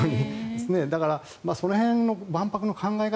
だから、その辺の万博の考え方